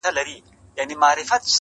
پښتنو ته هم راغلی جادوګر وو-